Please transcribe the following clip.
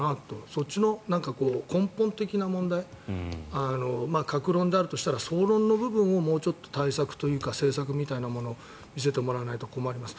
そっちの根本的な問題各論であるとしたら総論の部分をもうちょっと対策というか政策みたいなものを見せてもらわないと困ります。